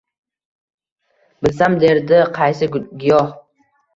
Bilsam, derdi, qaysi giyoh